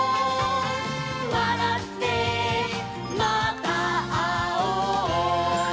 「わらってまたあおう」